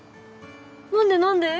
なんでなんで？